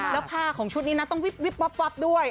แล้วผ้าของชุดนี้นะต้องวิบวับด้วย